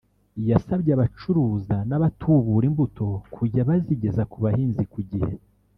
yasabye abacuruza n’abatubura imbuto kujya bazigeza ku bahinzi ku gihe